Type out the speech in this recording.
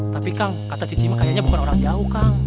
tapi kang kata cici makanya bukan orang jauh kang